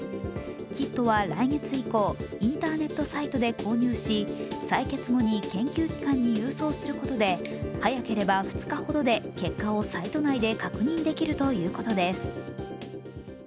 キットは来月以降インターネットサイトで購入し採血後に研究機関に郵送することで早ければ２日ほどで結果をサイト内で確認できるということです。